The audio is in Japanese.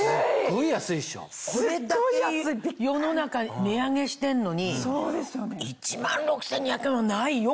これだけ世の中値上げしてんのに１万６２００円はないよ